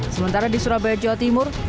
sementara di surabaya jawa timur